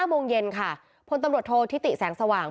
๕โมงเย็นค่ะพตโททิติแสงสว่าง